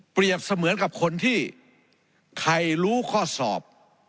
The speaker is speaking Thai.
เสมือนกับคนที่ใครรู้ข้อสอบ